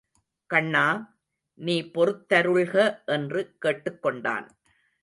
கண்ணா, நீ பொறுத்தருள்க என்று கேட்டுக்கொண்டான்.